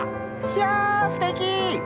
「ひゃあ、すてきー！」。